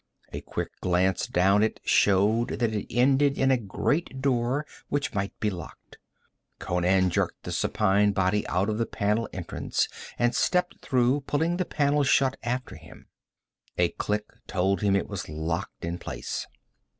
A quick glance down it showed that it ended in a great door which might be locked. Conan jerked the supine body out of the panel entrance and stepped through, pulling the panel shut after him. A click told him it was locked in place.